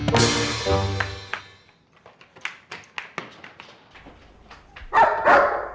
hei jangan lari kamu